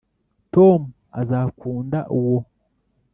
tom azakunda uwo.